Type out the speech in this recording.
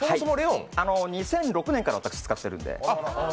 ２００６年から私、使っているんで。